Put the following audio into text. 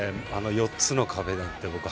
４つの壁なんて